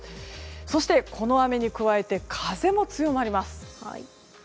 そして、この雨に加えて風も強まります。